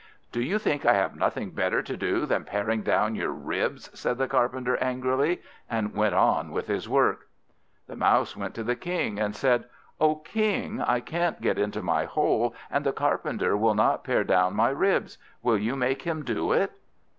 "Do you think I have nothing better to do than paring down your ribs?" said the Carpenter angrily, and went on with his work. The Mouse went to the King, and said, "O King, I can't get into my hole, and the Carpenter will not pare down my ribs; will you make him do it?"